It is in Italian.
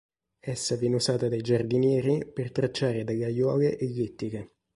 Essa viene usata dai giardinieri per tracciare delle aiuole ellittiche.